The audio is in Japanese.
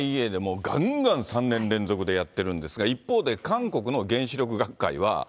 ＩＡＥＡでもうがんがん３年連続でやってるんですが、一方で韓国の原子力学会は。